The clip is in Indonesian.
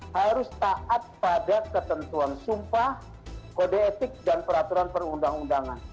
harus taat pada ketentuan sumpah kode etik dan peraturan perundang undangan